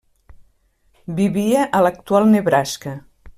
Vivia a l'actual Nebraska.